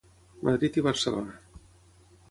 Madrid i Barcelona.